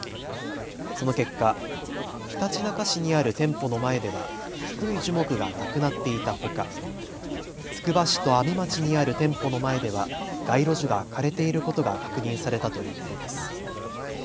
その結果、ひたちなか市にある店舗の前では低い樹木がなくなっていたほかつくば市と阿見町にある店舗の前では街路樹が枯れていることが確認されたということです。